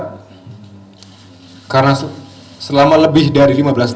terus terang dengan hati yang berat